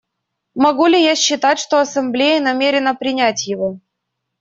Могу ли я считать, что Ассамблея намерена принять его?